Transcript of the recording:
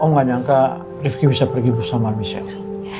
om enggak nyangka rifki bisa pergi bersama michelle